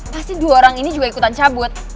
pasti dua orang ini juga ikutan cabut